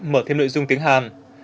mở thêm nội dung tiếng hàn